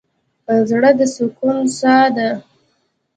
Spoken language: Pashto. زړه د سکون څاه ده.